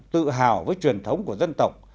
tự hào với truyền thống của dân tộc